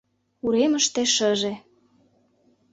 Уремыште — шыже.